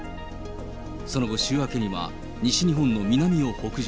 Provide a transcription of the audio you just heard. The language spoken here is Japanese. その後、週明けには西日本の南を北上。